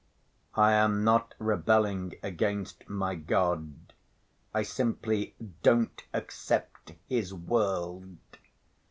"I am not rebelling against my God; I simply 'don't accept His world.